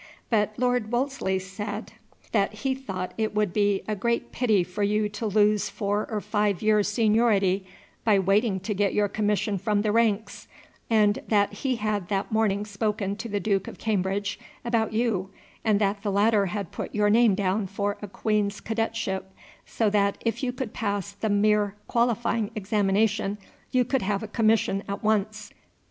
But Lord Wolseley said that he thought it would be a great pity for you to lose four or five years' seniority by waiting to get your commission from the ranks, and that he had that morning spoken to the Duke of Cambridge about you, and that the latter had put your name down for a Queen's Cadetship, so that if you could pass the mere qualifying examination you could have a commission at once.